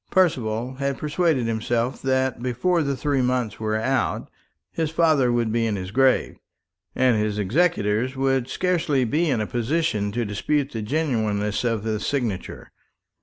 Percival had persuaded himself that before the three months were out his father would be in his grave, and his executors would scarcely be in a position to dispute the genuineness of the signature.